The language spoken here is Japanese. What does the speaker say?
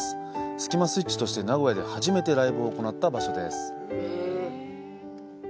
スキマスイッチとして名古屋で初めてライブを行った場所です。